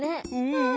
うん。